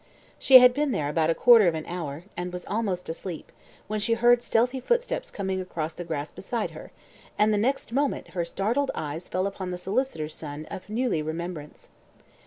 She had been there about a quarter of an hour, and was almost asleep, when she heard stealthy footsteps coming through the grass beside her, and the next moment her startled eyes fell upon the solicitor's son of Neuilly remembrance!